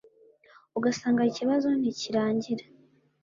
ugasanga ikibazo ntikirangira